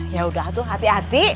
ya udah tuh hati hati